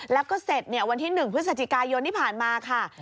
แล้วก็เสร็จวันที่๑พฤศจิกายนที่ผ่านมาค่ะ